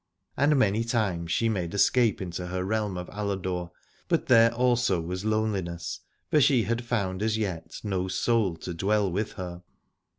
And many times she made escape into her realm of Aladore : but there also was loneliness, for she had found as yet no soul to dwell with her.